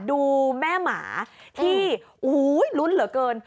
ดูแม่หมาที่โอ้โฮรุ้นเหลือเกิน